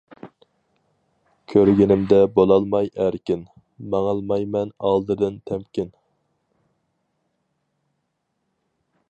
كۆرگىنىمدە بولالماي ئەركىن، ماڭالمايمەن ئالدىدىن تەمكىن.